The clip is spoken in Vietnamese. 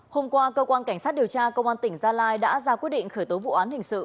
hôm qua cơ quan cảnh sát điều tra công an tỉnh gia lai đã ra quyết định khởi tố vụ án hình sự